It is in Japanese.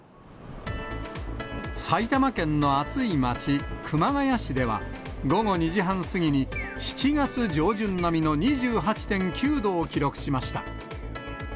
埼玉県の暑いまち、熊谷市では、午後２時半過ぎに、７月上旬並みの２８．９度を記録しました。